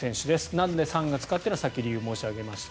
なんで３月かというのはさっき理由を申し上げました。